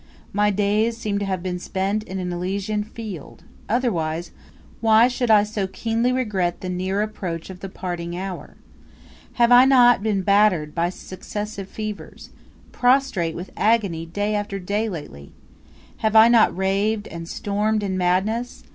My days seem to have been spent in an Elysian field; otherwise, why should I so keenly regret the near approach of the parting hour? Have I not been battered by successive fevers, prostrate with agony day after day lately? Have I not raved and stormed in madness?